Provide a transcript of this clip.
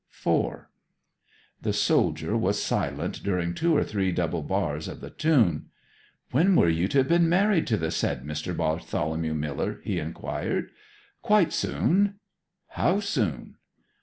IV The soldier was silent during two or three double bars of the tune. 'When were you to have been married to the said Mr. Bartholomew Miller?' he inquired. 'Quite soon.' 'How soon?'